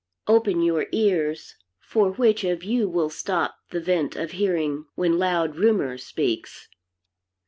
Open your ears; for which of you will stop, The vent of hearing when loud Rumor speaks?